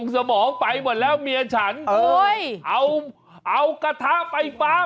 สมองไปหมดแล้วเมียฉันเอาเอากระทะไฟฟ้า